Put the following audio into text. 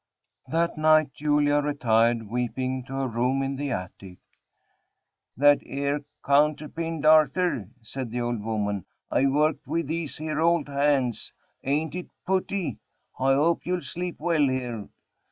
That night Julia retired weeping to her room in the attic. "That 'ere counterpin, darter," said the old woman, "I worked with these here old hands. Ain't it putty? I hope you'll sleep well here.